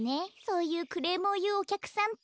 そういうクレームをいうおきゃくさんって。